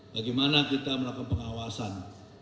bagaimana kita melakukan pengawasan